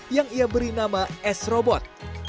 yang ia beri nama s robot